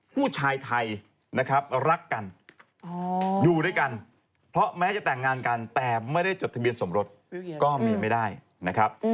ผู้ชายไทยนะครับรักกันอยู่ด้วยกันเพราะแม้จะแต่งงานกันแต่ไม่ได้จดทะเบียนสมรสก็มีไม่ได้นะครับ